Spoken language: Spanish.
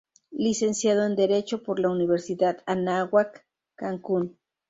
Licenciado en Derecho por la Universidad Anáhuac Cancún.